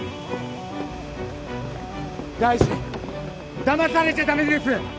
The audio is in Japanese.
大臣だまされちゃだめです。